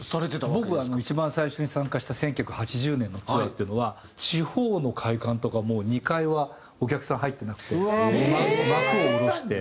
僕は一番最初に参加した１９８０年のツアーっていうのは地方の会館とかもう２階はお客さん入ってなくて幕を下ろして。